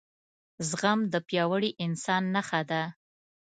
زغم دپیاوړي انسان نښه ده